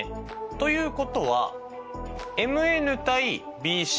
ということはＭＮ：ＢＣ